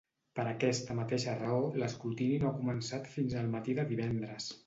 Per aquesta mateixa raó, l’escrutini no ha començat fins el matí de divendres.